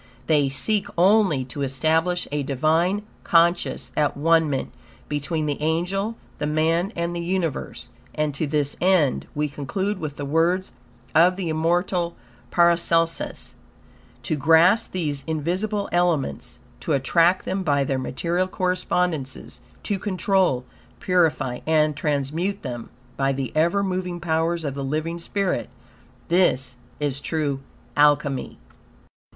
They seek only to establish a Divine, conscious at one ment between the angel, the man, and the universe, and to this end, we conclude with the words of the immortal Paracelsus: "To grasp these invisible elements, to attract them by their material correspondences, to control, purify, and transmute them by the ever moving powers of the living spirit, THIS IS TRUE ALCHEMY."